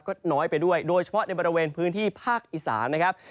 ก็น้อยไปด้วยโดยเฉพาะในบริเวณพื้นที่ภาคอีสานนะครับ